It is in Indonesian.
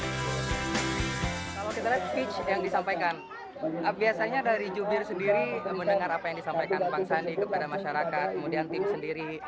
kalau kita lihat speech yang disampaikan biasanya dari jubir sendiri mendengar apa yang disampaikan bang sandi kepada masyarakat kemudian tim sendiri